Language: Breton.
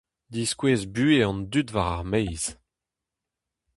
Diskouez buhez an dud war ar maez.